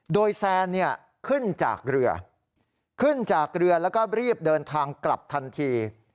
โดยแซนเนี่ยขึ้นจากเรือขึ้นจากเรือแล้วก็รีบเดินทางกลับทันที